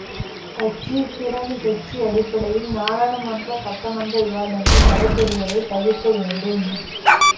கட்சி பிரதி கட்சி அடிப்படையில் நாடாளுமன்ற சட்டமன்ற விவாதங்கள் நடைபெறுவதைத் தவிர்க்க வேண்டும்.